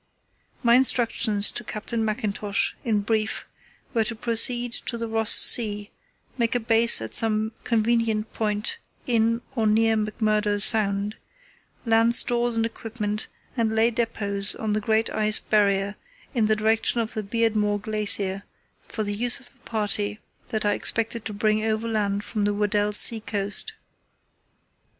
My instructions to Captain Mackintosh, in brief, were to proceed to the Ross Sea, make a base at some convenient point in or near McMurdo Sound, land stores and equipment, and lay depots on the Great Ice Barrier in the direction of the Beardmore Glacier for the use of the party that I expected to bring overland from the Weddell Sea coast.